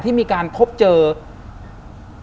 ทำไมเขาถึงจะมาอยู่ที่นั่น